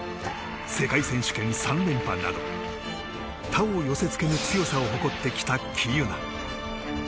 世界選手権３連覇など他を寄せ付けぬ強さを誇ってきた喜友名。